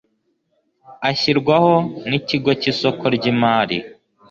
ashyirwaho n Ikigo cy isoko ry imari